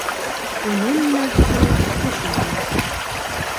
Өнөммө был, төшөммө?